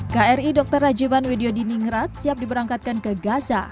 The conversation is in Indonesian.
kri dr rajiman widyodiningrat siap diberangkatkan ke gaza